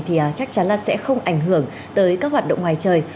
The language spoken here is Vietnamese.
thì chắc chắn là sẽ không ảnh hưởng tới các hoạt động ngoài trời